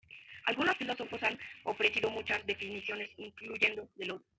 Algunos filósofos han ofrecido muchas definiciones influyentes del odio.